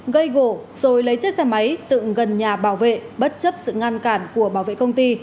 gây gỗ rồi lấy chiếc xe máy dựng gần nhà bảo vệ bất chấp sự ngăn cản của bảo vệ công ty